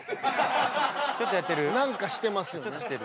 なんかしてますよね。